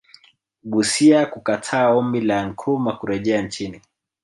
Busia kukataa Ombi la Nkrumah kurejea nchini